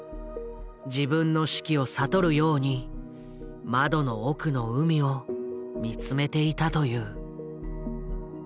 自分の死期を悟るように窓の奥の海を見つめていたという。